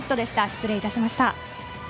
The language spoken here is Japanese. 失礼いたしました。